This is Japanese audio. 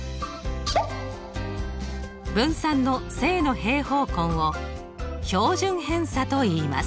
分散の正の平方根を標準偏差といいます。